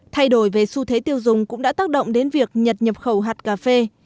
thay đổi về xu thế tiêu dùng cũng đã tác động đến việc nhật nhập khẩu hạt cà phê